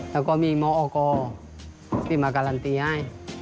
แล้วก็มีมอกที่มาการันตีให้